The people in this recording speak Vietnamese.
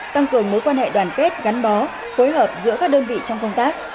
tăng cường mối quan hệ đoàn kết gắn bó phối hợp giữa các đơn vị trong công tác